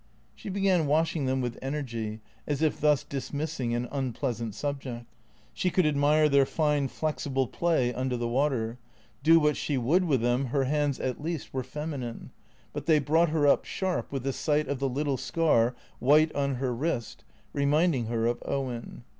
'' She began washing them with energy, as if thus dismissing an unpleasant subject. She could admire their fine flexible play under the water; do what she would with them her hands at least were feminine. But they brought her up sharp with the sight of the little scar, white on her wrist, reminding her of Owen.